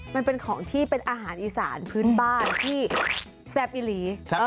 มันเป็นของที่เป็นอาหารอีสานพื้นบ้านที่แซ่บอิหลี